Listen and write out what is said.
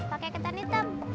pakai ketan hitam